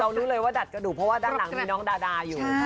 รู้เลยว่าดัดกระดูกเพราะว่าด้านหลังมีน้องดาดาอยู่